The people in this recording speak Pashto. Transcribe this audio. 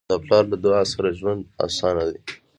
د پلار له دعاؤ سره ژوند اسانه دی.